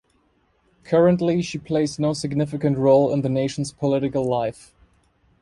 Currently she plays no significant role in the nation's political life.